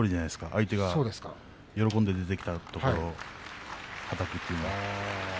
相手が喜んで出てきたところはたきという。